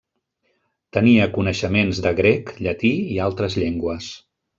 Tenia coneixements de grec, llatí i altres llengües.